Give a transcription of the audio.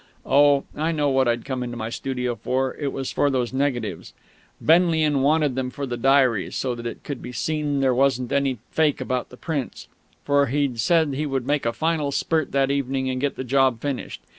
Oh, I know what I'd come into my studio for! It was for those negatives. Benlian wanted them for the diary, so that it could be seen there wasn't any fake about the prints. For he'd said he would make a final spurt that evening and get the job finished.